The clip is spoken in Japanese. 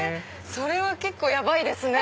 それは結構ヤバいですね。